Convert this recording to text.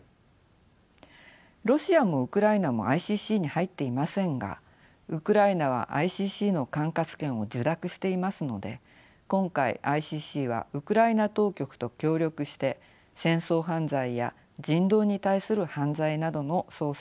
ロシアもウクライナもＩＣＣに入っていませんがウクライナはＩＣＣの管轄権を受諾していますので今回ＩＣＣはウクライナ当局と協力して戦争犯罪や人道に対する犯罪などの捜査を行っています。